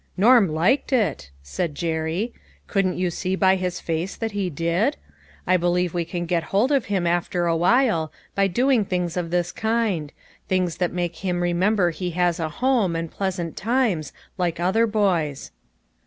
" Norm liked it," said Jerry. " Couldn't you see by his face that he did ? I believe we can get hold of him after awhile, by doing things of this kind ; things that make him remember he 206 LITTLE FISHEES : AND THEIE NETS. has a home, and pleasant times, like other boys."